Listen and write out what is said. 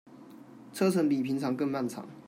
車程比平常更漫長